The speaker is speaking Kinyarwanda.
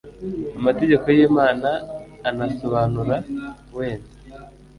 amategeko y'imana, anasobanura wenda